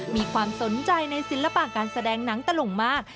มีความสนใจในศิลปะการแสดงหนังตลุงมาก